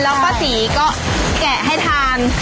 แล้วป้าศรีก็แกะให้ทาน